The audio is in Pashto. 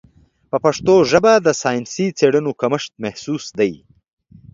په پښتو ژبه د ساینسي څېړنو کمښت محسوس دی.